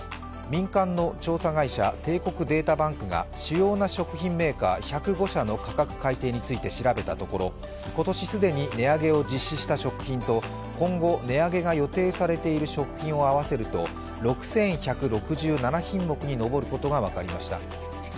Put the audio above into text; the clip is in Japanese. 民間の調査会社帝国データバンクが主要な食品メーカー１０５社の価格改定について調べたところ今年既に値上げを実施した食品と、今後値上げが予定されている食品を合わせると６１６７品目に上ることが分かりました。